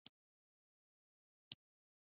غیر فلزات معمولا کوم حالت لري.